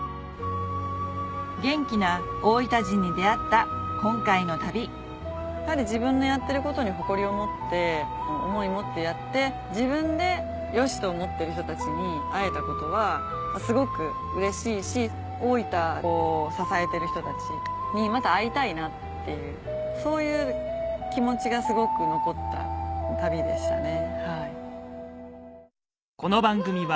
元気な大分人に出会った今回の旅自分のやってることに誇りを持って思い持ってやって自分でよしと思ってる人たちに会えたことはすごくうれしいし大分を支えてる人たちにまた会いたいなっていうそういう気持ちがすごく残った旅でしたね。